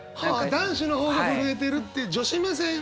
男子の方が震えてるって女子目線。